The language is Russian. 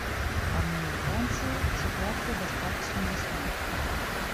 По мнению Франции, ситуация достаточно ясна.